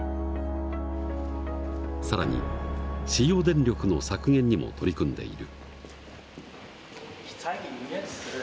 更に使用電力の削減にも取り組んでいる。